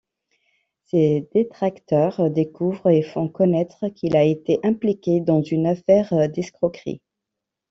Ses détracteurs découvrent et font connaître qu'il a été impliqué dans une affaire d'escroquerie.